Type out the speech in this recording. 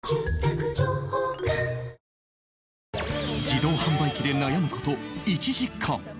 自動販売機で悩む事１時間